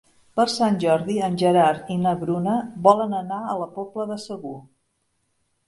Per Sant Jordi en Gerard i na Bruna volen anar a la Pobla de Segur.